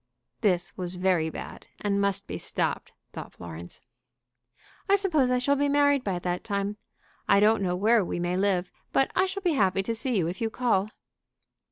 This was very bad, and must be stopped, thought Florence. "I suppose I shall be married by that time. I don't know where we may live, but I shall be happy to see you if you call."